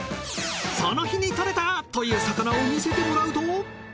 その日に獲れたという魚を見せてもらうと。